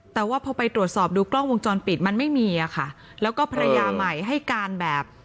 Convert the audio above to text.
แต่ว่าพอไปตรวจสอบดูกล้องวงจรปิดมันไม่มีอ่ะค่ะแล้วก็ภรรยาใหม่ให้การแบบ